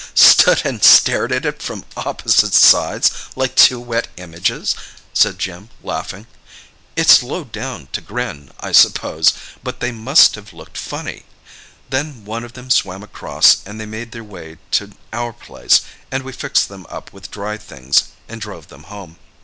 "Stood and stared at it from opposite sides, like two wet images," said Jim, laughing. "It's lowdown to grin, I suppose, but they must have looked funny. Then one of them swam across and they made their way to our place, and we fixed them up with dry things and drove them home.